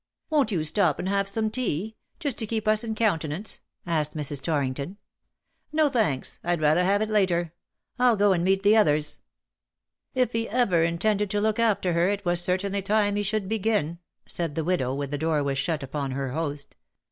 ^' Won't you stop and have some tea — ^just to keep us in countenance ?" asked Mrs. Torrington. ^' No, thanks. I'd rather have it later. I'll go and meet the others." ^^If he ever intended to look after her it was certainly time he should begin/' said the widow, when the door was shut upon her host.